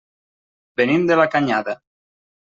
Venim de la Canyada.